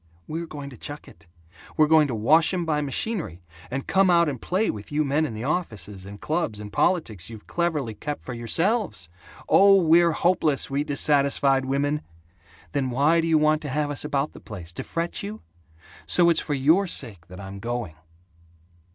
We're going to chuck it. We're going to wash 'em by machinery, and come out and play with you men in the offices and clubs and politics you've cleverly kept for yourselves! Oh, we're hopeless, we dissatisfied women! Then why do you want to have us about the place, to fret you? So it's for your sake that I'm going!"